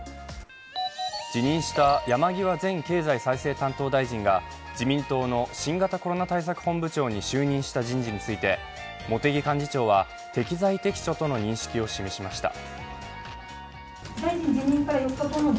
辞任した山際前経済再生担当大臣が、自民党新型コロナ対策本部長に就任した人事について茂木幹事長は、適材適所との認識を示しました。